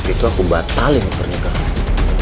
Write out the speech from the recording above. itu aku batalin pernikahan